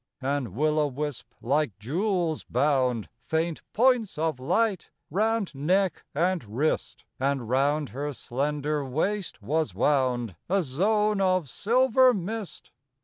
And will o' wisp like jewels bound Faint points of light round neck and wrist; And round her slender waist was wound A zone of silver mist.